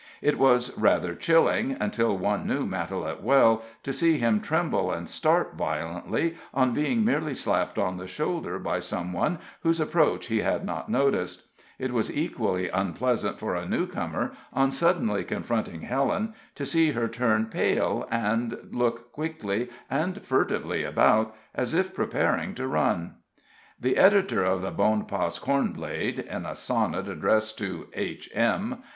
It was rather chilling, until one knew Matalette well, to see him tremble and start violently on being merely slapped on the shoulder by some one whose approach he had not noticed; it was equally unpleasant for a newcomer, on suddenly confronting Helen, to see her turn pale, and look quickly and furtively about, as if preparing to run. The editor of the Bonpas Cornblade, in a sonnet addressed to "H.M.